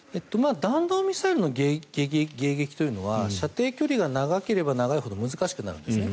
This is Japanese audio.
弾道ミサイルの迎撃というのは射程距離が長ければ長いほど難しくなるんですね。